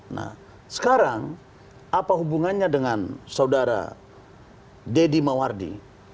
nah sekarang apa hubungannya dengan saudara deddy mawardi